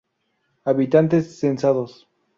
Habitantes censados